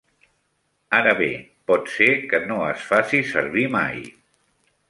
Ara bé, pot ser que no es faci servir mai.